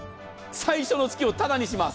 最初の月もタダにします。